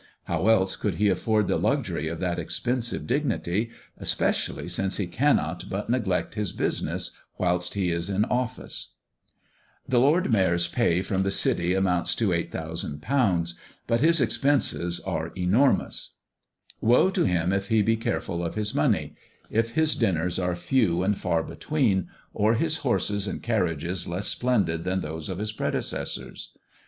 How else could he afford the luxury of that expensive dignity, especially since he cannot but neglect his business whilst he is in office. The Lord Mayor's pay from the City amounts to £8000, but his expenses are enormous. Woe to him if he be careful of his money, if his dinners are few and far between, or his horses and carriages less splendid than those of his predecessors!